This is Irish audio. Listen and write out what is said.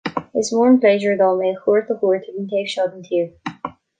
Is mór an pléisiúr dom é cuairt a thabhairt ar an taobh seo den tír